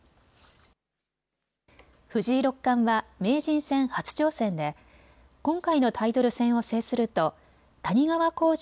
藤井六冠は名人戦初挑戦で今回のタイトル戦を制すると谷川浩司